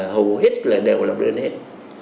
hầu hết là đều lập đơn hết